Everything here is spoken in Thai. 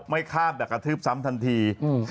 ไม่ข้ามแต่กระทืบซ้ำทันที